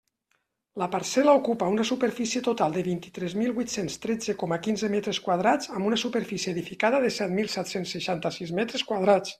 La parcel·la ocupa una superfície total de vint-i-tres mil huit-cents tretze coma quinze metres quadrats amb una superfície edificada de set mil set-cents seixanta-sis metres quadrats.